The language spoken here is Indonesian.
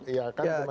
iya kan kemarin